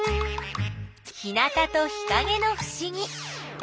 日なたと日かげのふしぎ。